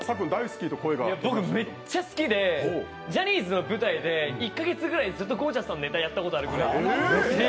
僕、めっちゃ好きでジャニーズの舞台で１か月ぐらいずっとゴー☆ジャスさんのネタやったことあるくらい。